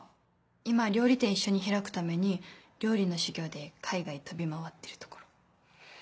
今は料理店一緒に開くために料理の修業で海外飛び回ってるところ。